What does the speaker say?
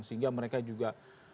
sehingga mereka juga